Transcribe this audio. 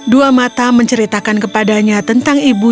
dua mata menceritakan kepadanya tentang ibu